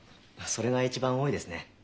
それが一番多いですね。